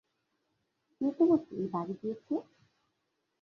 কে তোমাকে এই বাড়ি দিয়েছে?